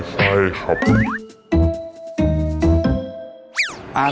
๑๐๐ไส้ครับ